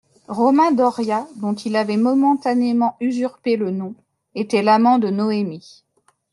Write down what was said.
Romain Doria, dont il avait momentanément usurpé le nom, était l'amant de Noémie.